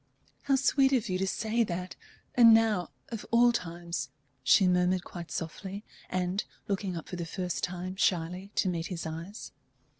"How sweet of you to say that! and now, of all times," she murmured quite softly, and looking up for the first time, shyly, to meet his eyes.